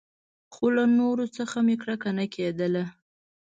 خو له نورو څخه مې کرکه نه کېدله.